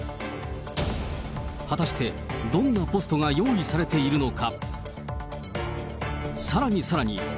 果たしてどんなポストが用意されているのか。